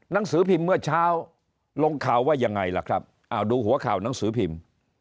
หนังสือพิมพ์เมื่อเช้าลงข่าวว่ายังไงล่ะครับดูหัวข่าวหนังสือพิมพ์